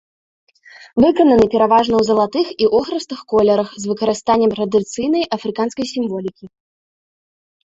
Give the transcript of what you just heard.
Выкананы пераважна ў залатых і охрыстых колерах з выкарыстаннем традыцыйнай афрыканскай сімволікі.